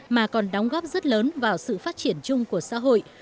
mà còn đóng góp rất lớn vào sự phát triển chung của xã hội